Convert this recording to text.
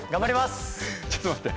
ちょっと待って。